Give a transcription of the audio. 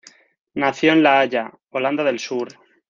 Nació en La Haya, Holanda del Sur.